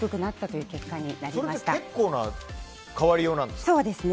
それって結構な変わりようなんですか？